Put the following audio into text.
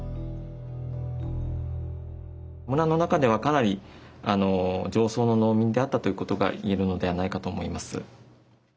村の中ではかなり上層の農民であったということが言えるのではないかと思います。